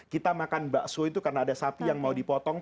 kita makan bakso itu karena ada sapi yang mau dipotong